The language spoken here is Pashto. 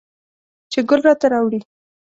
چې ګل راته راوړي